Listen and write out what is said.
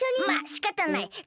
まあしかたない。